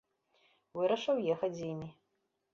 Вырашыў ехаць з імі.